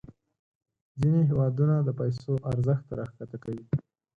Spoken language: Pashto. ځینې هیوادونه د پیسو ارزښت راښکته کوي.